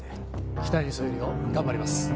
期待に沿えるよう頑張ります。